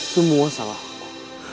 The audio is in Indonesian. semua salah aku